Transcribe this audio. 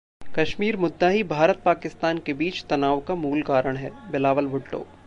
कश्मीर मुद्दा ही भारत-पाकिस्तान के बीच तनाव का मूल कारण है: बिलावल भुट्टो